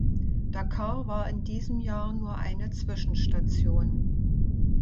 Dakar war in diesem Jahr nur eine Zwischenstation.